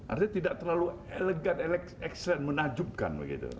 artinya tidak terlalu elegan menajubkan